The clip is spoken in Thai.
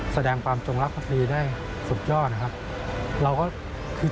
แสดงความจงรับพระศรีได้ทรุดยอด